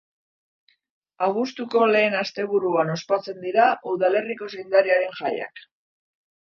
Abuztuko lehen asteburuan ospatzen dira udalerriko zaindariaren jaiak.